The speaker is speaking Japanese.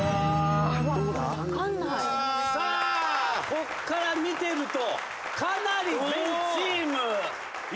こっから見てるとかなり全チームいい勝負。